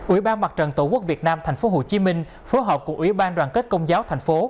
ủy ban mặt trận tổ quốc việt nam tp hcm phố họp của ủy ban đoàn kết công giáo tp hcm